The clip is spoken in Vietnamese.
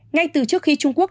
ngay từ trước khi trung quốc